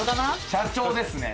社長ですね。